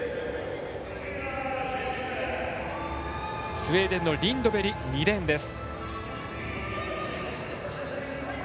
スウェーデンのリンドベリ２レーンです。